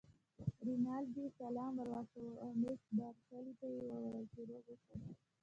رینالډي سلام ور واچاوه او مس بارکلي ته یې وویل چې روغ اوسی.